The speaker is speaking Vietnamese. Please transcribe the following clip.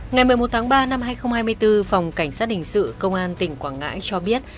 ngày một mươi một tháng ba năm hai nghìn hai mươi bốn phòng cảnh sát hình sự công an tỉnh quảng ngãi cho biết